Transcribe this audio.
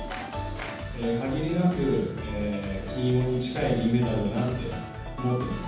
限りなく金色に近い銀メダルだなと思ってます。